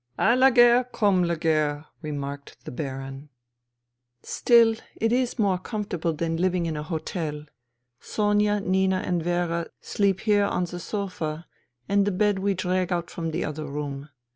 " 4 la guerre comme d la guerre^'' remarked the Baron. 126 FUTILITY " Still, it is more comfortable than living in an hotel. Sonia, Nina and Vera sleep here on the sofa and the bed we drag out from the other room.